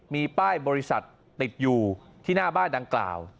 มีป้ายบริษัทติดอยู่ที่หน้าบ้านดังกล่าว